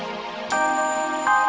aku juga ingin berterima kasih